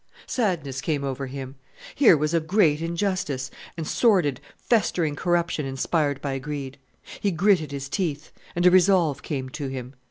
Sadness came over him. Here was a great injustice, and sordid, festering corruption, inspired by greed. He gritted his teeth and a resolve came to him.